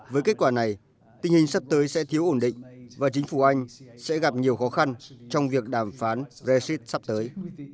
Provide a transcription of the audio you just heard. với kết quả này tình hình sắp tới sẽ thiếu ổn định và chính phủ anh sẽ gặp nhiều khó khăn trong việc đàm phán brexit sắp tới